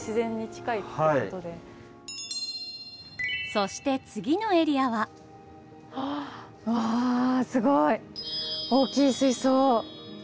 そして次のエリアは。わすごい大きい水槽！